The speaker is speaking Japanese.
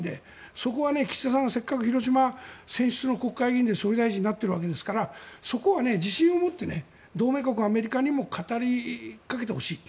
そこは岸田さんはせっかく広島選出の議員で総理大臣になっているわけですからそこは自信を持って同盟国アメリカにも語りかけてほしいと。